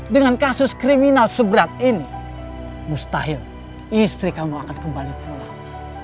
dengan kasus kriminal seberat ini mustahil istri kamu akan kembali pulang